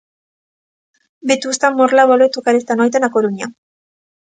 Vetusta Morla volve tocar esta noite na Coruña.